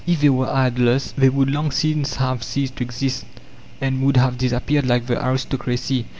If they were idlers, they would long since have ceased to exist, and would have disappeared like the aristocracy.